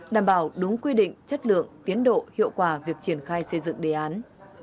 đảm bảo đúng quy định chất lượng tiến độ hiệu quả việc triển khai xây dựng đề án